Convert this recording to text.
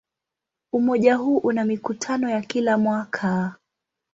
Umoja huu una mikutano ya kila mwaka.